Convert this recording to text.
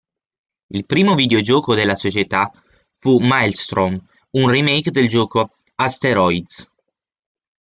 Il primo videogioco della società fu "Maelstrom", un remake del gioco "Asteroids".